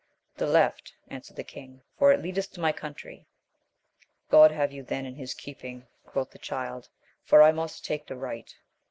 The left, answered the king, for it leadeth to my country. God have you then in his keeping, quoth the Child, for I must take the right.